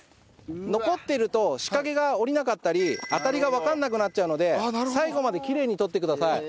残ってると仕掛けが降りなかったり当たりがわかんなくなっちゃうので最後までキレイに取ってください。